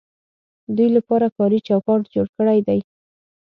دوی لپاره کاري چوکاټ جوړ کړی دی.